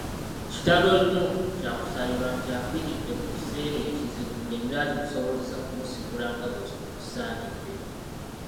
Kitalo nnyo kya kusaalirwa nti afiiridde mu kiseera ekizibu ng'embeera tetusobozesa kumusiibula nga bwe kisaanidde.